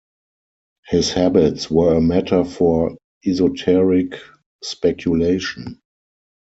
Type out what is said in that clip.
His habits were a matter for esoteric speculation.